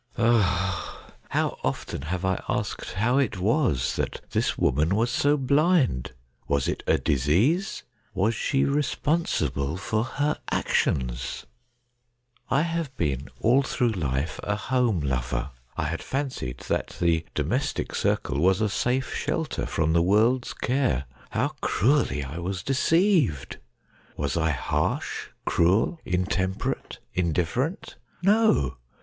Ah ! how often have I asked how it was that this woman was so blind ? Was it a disease ? Was she responsible for her actions ? I have been all through life a home lover. I had fancied that the domestic circle was a safe shelter from the world's care. How cruelly I was deceived ! Was I harsh, cruel, intemperate, indifferent ? No!